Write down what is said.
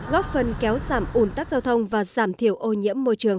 góp phần kéo giảm ủn tắc giao thông và giảm thiểu ô nhiễm môi trường